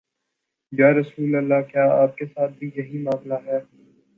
یا رسول اللہ، کیا آپ کے ساتھ بھی یہی معا ملہ ہے؟